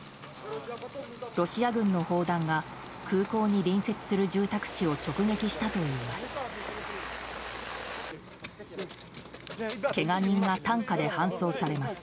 ロシア軍の砲弾が空港に隣接する住宅地を直撃したといいます。